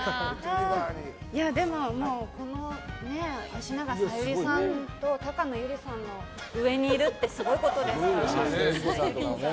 でも、この吉永小百合さんとたかの友梨さんの上にいるってすごいことですから。